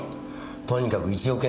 とにかく１億円